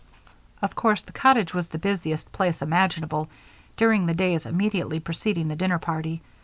Of course the cottage was the busiest place imaginable during the days immediately preceding the dinner party.